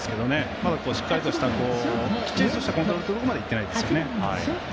まだ、しっかりとしたきっちりとしたコントロールにいってないですよね。